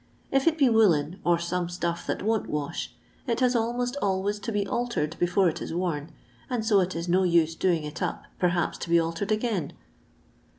If it be woollen, or some stuff that wont wash, it has almost always to be altered before it is worn, and so it is no use doing it up perhaps to be altered again.'